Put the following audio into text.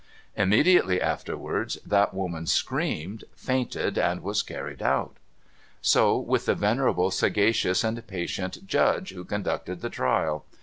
Immediately afterwards that woman screamed, fainted, and was carried out. So with the venerable, sagacious, and patient Judge who conducted the trial.